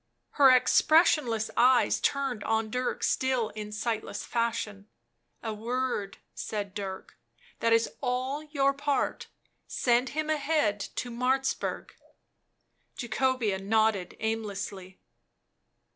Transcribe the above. Her expressionless eyes turned on Dirk still in sightless fashion. "A word," said Dirk — "that is all your part; send him ahead to Martzburg." Jacobea nodded aimlessly.